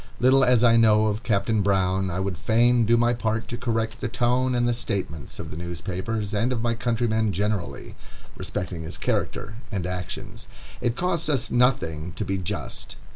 Little as I know of Captain Brown, I would fain do my part to correct the tone and the statements of the newspapers, and of my countrymen generally, respecting his character and actions. It costs us nothing to be just.